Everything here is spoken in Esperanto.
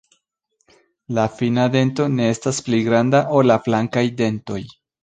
La fina dento ne estas pli granda ol la flankaj dentoj.